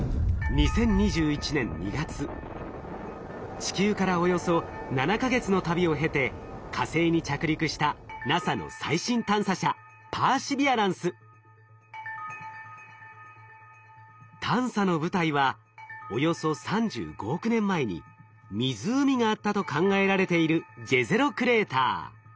地球からおよそ７か月の旅を経て火星に着陸したＮＡＳＡの最新探査車探査の舞台はおよそ３５億年前に湖があったと考えられているジェゼロクレーター。